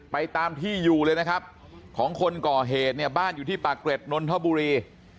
ตามที่อยู่เลยนะครับของคนก่อเหตุเนี่ยบ้านอยู่ที่ปากเกร็ดนนทบุรี